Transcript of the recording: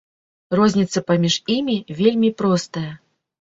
Розніца паміж імі вельмі простая.